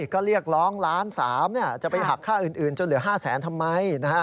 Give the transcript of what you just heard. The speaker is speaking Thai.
ก็เรียกร้องล้าน๓จะไปหักค่าอื่นจนเหลือ๕แสนทำไม